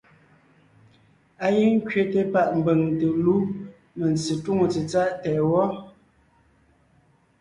Á gíŋ ńkẅéte páʼ mbʉ̀ŋ te lú mentse túŋo tsetsáʼ tɛʼ wɔ́.